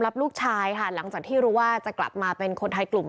ลูกชายค่ะหลังจากที่รู้ว่าจะกลับมาเป็นคนไทยกลุ่ม